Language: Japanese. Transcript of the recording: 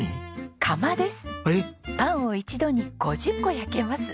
パンを一度に５０個焼けます。